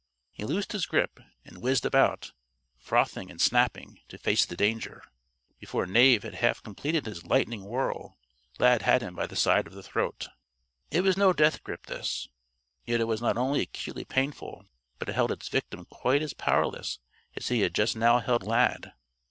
He loosed his grip and whizzed about, frothing and snapping, to face the danger. Before Knave had half completed his lightning whirl, Lad had him by the side of the throat. It was no death grip, this. Yet it was not only acutely painful, but it held its victim quite as powerless as he had just now held Lad.